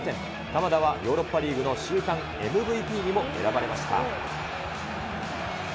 鎌田はヨーロッパリーグの週間ＭＶＰにも選ばれました。